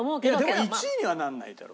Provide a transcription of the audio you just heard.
でも１位にはならないだろ？